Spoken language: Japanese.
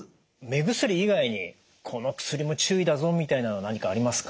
目薬以外にこの薬も注意だぞみたいなの何かありますか？